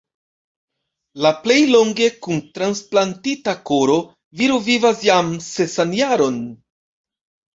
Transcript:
La plej longe kun transplantita koro viro vivas jam sesan jaron.